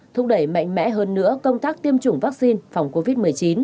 thúc đẩy mạnh mẽ hơn nữa công tác tiêm chủng vaccine phòng covid một mươi chín